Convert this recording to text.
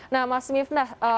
nah mas mifnah